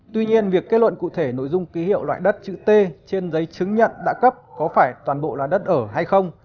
tuy nhiên việc kết luận cụ thể nội dung ký hiệu loại đất chữ t trên giấy chứng nhận đã cấp có phải toàn bộ là đất ở hay không